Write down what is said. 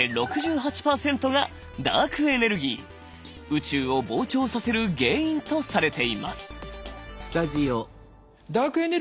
宇宙を膨張させる原因とされています。